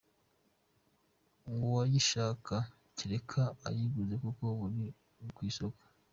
Uwayishaka kereka ayiguze kuko ubu iri ku isoko.